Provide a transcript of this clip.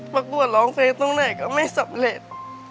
ประกวดร้องเพลงตรงไหนก็ไม่สำเร็จ